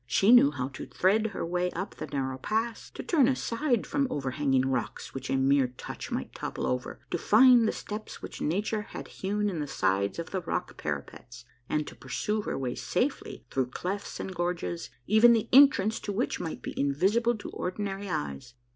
She knew how to thread her way up the narrow pass, to turn aside from overhanging rocks which a mere touch might topple over, to find the steps which nature had hewn in the sides of the rock}^ parapets, and to pursue her way safely through clefts and gorges, even the entrance to which might be invisible to ordi nary eyes.